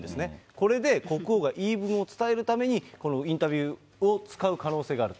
これで国王が言い分を伝えるために、このインタビューを使う可能性があると。